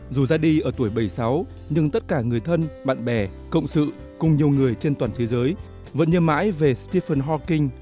dù ra đi ở tuổi bảy mươi sáu nhưng tất cả người thân bạn bè cộng sự cùng nhiều người trên toàn thế giới vẫn nhớ mãi về stephen houking